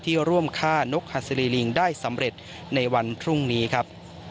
ที่ร่วมฆ่านกฮัสดิลิงได้สำเร็จในวันทุ่งนี้ครับ